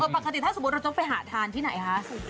ปกติถ้าสมมติเราจะไปถ่านที่ไหนคะ